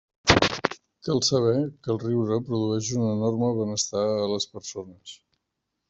Cal saber que el riure produeix un enorme benestar a les persones.